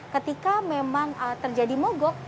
ketika memang terjadi mogok